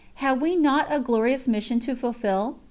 Have we not a glorious mission to fulfill?